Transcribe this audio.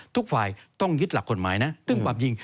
ทุกฝ่ายต้องยึดหลักกฎหมายนะซึ่งความจริง